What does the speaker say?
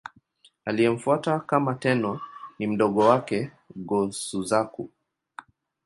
Aliyemfuata kama Tenno ni mdogo wake, Go-Suzaku.